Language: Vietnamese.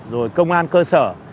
rồi công an cơ sở